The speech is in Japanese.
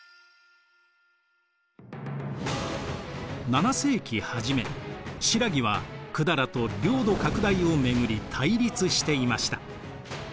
７世紀初め新羅は百済と領土拡大を巡り対立していました。